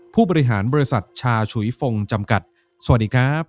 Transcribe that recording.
ผู้บริหารบริษัทชาฉุยฟงจำกัดสวัสดีครับ